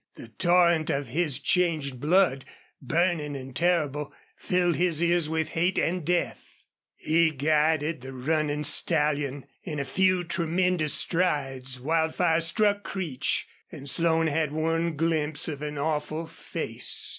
The torrent of his changed blood, burning and terrible, filled his ears with hate and death. He guided the running stallion. In a few tremendous strides Wildfire struck Creech, and Slone had one glimpse of an awful face.